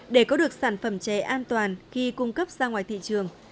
để có được sản phẩm chè an toàn khi cung cấp ra ngoài thị trường